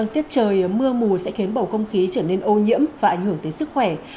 tiết trời mưa mù sẽ khiến bầu không khí trở nên ô nhiễm và ảnh hưởng tới sức khỏe